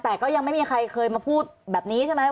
แต่ก็ยังไม่มีใครเคยมาพูดแบบนี้ใช่ไหม